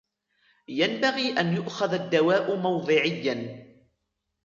ينبغي أن يؤخذ الدواء موضعيا.